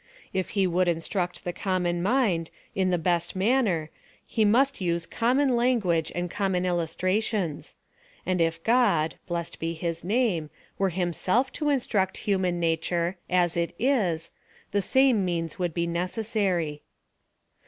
If he would instruct the common mind in the best manner, he must use common language and com mon illustrations — and if God (blessed be his name) were himself to instruct human nature, as it is, the same means would be necessary.